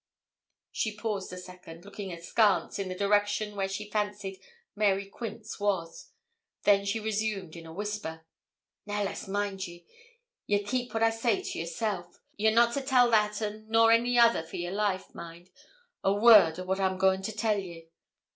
She paused a second, looking askance, in the direction where she fancied Mary Quince was. Then she resumed in a whisper 'Now, lass, mind ye, ye'll keep what I say to yourself. You're not to tell that un nor any other for your life, mind, a word o' what I'm goin' to tell ye.'